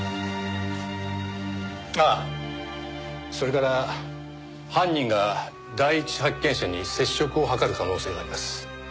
ああそれから犯人が第一発見者に接触を図る可能性があります。